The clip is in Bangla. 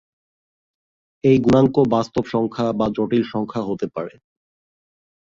এই গুণাঙ্ক বাস্তব সংখ্যা বা জটিল সংখ্যা হতে পারে।